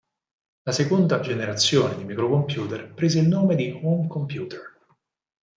La seconda generazione di microcomputer prese il nome di "home computer".